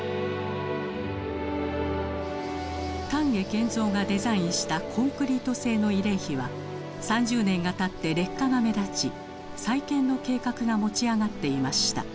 丹下健三がデザインしたコンクリート製の慰霊碑は３０年がたって劣化が目立ち再建の計画が持ち上がっていました。